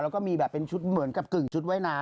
แล้วก็มีแบบเป็นชุดเหมือนกับกึ่งชุดว่ายน้ำ